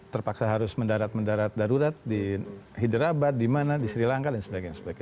terpaksa harus mendarat mendarat darurat di hiderabad dimana di srilanka dan sebagainya